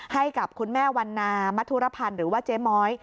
ให้กับคุณแม่วันนามัธุรพันธ์หรือว่าเจ๊ม้อย